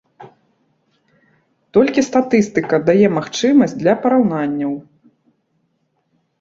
Толькі статыстыка дае магчымасць для параўнанняў.